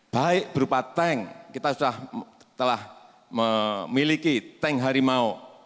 baik berupa tank kita sudah telah memiliki tank harimau